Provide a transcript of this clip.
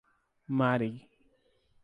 Mari